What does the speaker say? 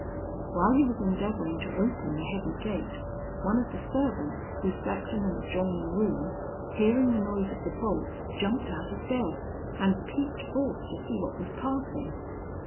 "While he was endeavouring to open the heavy gate, one of the servants, who slept in an adjoining room, hearing the noise of the bolts, jumped out of bed, and peeped forth to see what was passing.